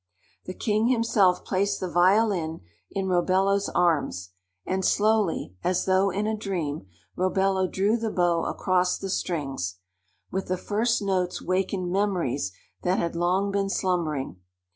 The king himself placed the violin in Robello's arms, and slowly, as though in a dream, Robello drew the bow across the strings. With the first notes wakened memories that had long been slumbering.